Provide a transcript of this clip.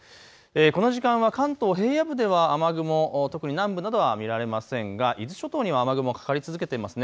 この時間は関東平野部では雨雲、特に南部などは見られませんが伊豆諸島には雨雲かかり続けています。